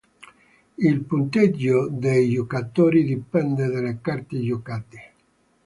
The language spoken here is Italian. Il punteggio dei giocatori dipende dalle carte giocate.